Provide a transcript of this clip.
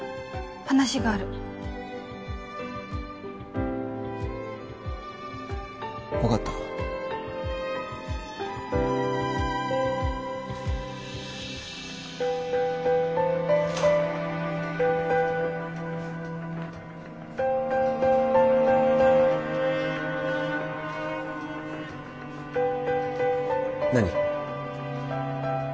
話がある分かった何？